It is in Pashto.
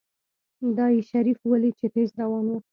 دا يې شريف وليد چې تېز روان و.